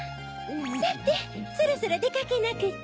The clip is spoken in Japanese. さてそろそろでかけなくっちゃ。